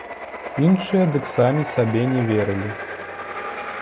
Іншыя дык самі сабе не верылі.